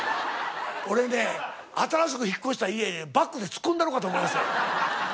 俺ね新しく引っ越した家バックで突っ込んだろうかと思いましたよ。